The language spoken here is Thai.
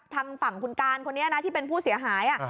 ทางฝั่งคุณการคนนี้นะที่เป็นผู้เสียหาย